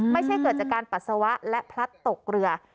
ไม่ใช่เกิดจากการปัสสาวะและพลัดตกเรือ